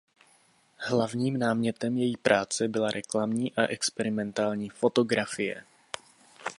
Hlavním námětem její práce byla reklamní a experimentální fotografie.